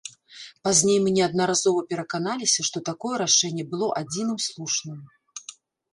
Пазней мы неаднаразова пераканаліся, што такое рашэнне было адзіным слушным.